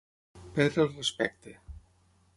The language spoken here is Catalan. Perdre el respecte.